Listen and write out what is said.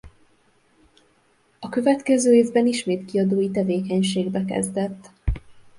A következő évben ismét kiadói tevékenységbe kezdett.